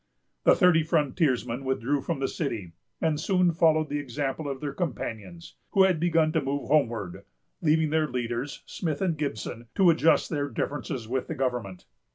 The thirty frontiersmen withdrew from the city, and soon followed the example of their companions, who had begun to move homeward, leaving their leaders, Smith and Gibson, to adjust their differences with the government.